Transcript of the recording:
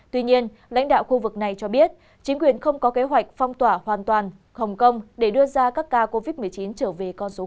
tuy nhiên lãnh đạo khu vực này cho biết chính quyền không có kế hoạch phong tỏa hoàn toàn hồng kông để đưa ra các ca covid một mươi chín trở về con số